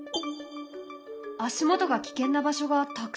足元が危険な場所がたくさんあったよね。